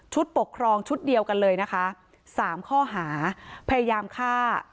ปกครองชุดเดียวกันเลยนะคะสามข้อหาพยายามฆ่า